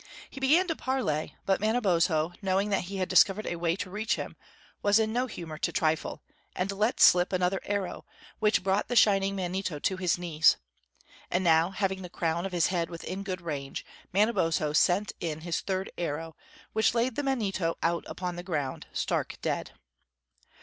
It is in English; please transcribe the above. He began to parley, but Manabozho, knowing that he had discovered a way to reach him, was in no humor to trifle, and let slip another arrow, which brought the Shining Manito to his knees. And now, having the crown of his head within good range, Manabozho sent in his third arrow, which laid the Manito out upon the ground, stark dead.